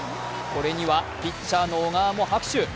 これにはピッチャーの小川も拍手。